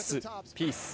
ピース。